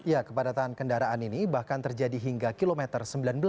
ya kepadatan kendaraan ini bahkan terjadi hingga kilometer sembilan belas